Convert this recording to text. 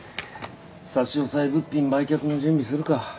差し押さえ物品売却の準備するか。